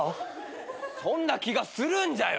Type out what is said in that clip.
そんな気がするんじゃよ。